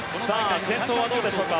先頭はどうでしょうか